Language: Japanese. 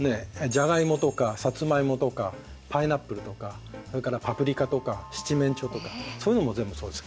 ジャガイモとかサツマイモとかパイナップルとかそれからパプリカとか七面鳥とかそういうのも全部そうです。